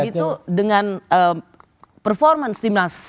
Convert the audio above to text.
kalau begitu dengan performance timnas